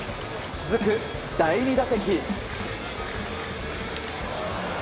続く第２打席。